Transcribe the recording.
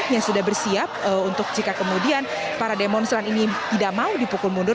yang sudah bersiap untuk jika kemudian para demonstran ini tidak mau dipukul mundur